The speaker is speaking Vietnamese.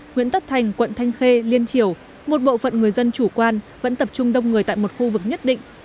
nguyễn tất thành quận thanh khê liên triều một bộ phận người dân chủ quan vẫn tập trung đông người tại một khu vực nhất định